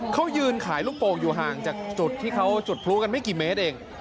เขายืนขายลูกโป่งอยู่ห่างจากจุดที่เขาจุดพลุกันไม่กี่เมตรเอง